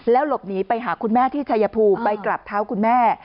หลบหนีไปหาคุณแม่ที่ชายภูมิไปกลับเท้าคุณแม่